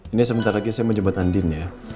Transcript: ini sebentar lagi saya menjembat andin ya